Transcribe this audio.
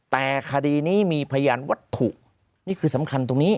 แต่คดีนี้มีพยานวัตถุนี่คือสำคัญตรงนี้